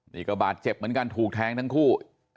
นี่ก็บาดเจ็บเหมือนกันถูกแทงทั้งคู่